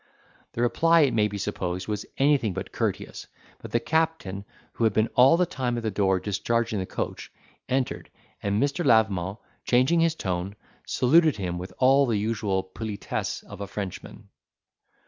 The reply, it may be supposed, was anything but courteous but the captain, who had been all the time at the door discharging the coach, entered, and Mr. Lavement, changing his tone, saluted him with all the usual politesse of a Frenchman.